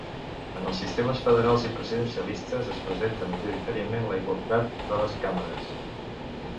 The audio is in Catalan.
En els sistemes federals i presidencialistes es presenta majorment la igualtat de les càmeres.